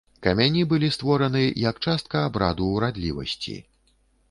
Камяні былі створаны як частка абраду урадлівасці.